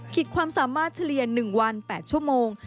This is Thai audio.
ความสามารถเฉลี่ย๑วัน๘ชั่วโมง